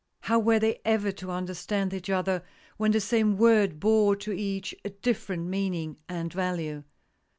How were they ever to understand each other when the same word bore to each a different meaning and value.